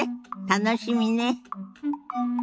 楽しみね。